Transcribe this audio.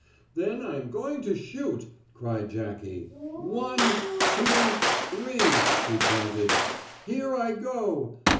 "Then I'm going to shoot!" cried Jackie. "One two three!" he counted. "Here I go!